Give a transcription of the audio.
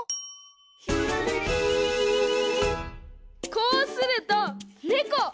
こうするとねこ！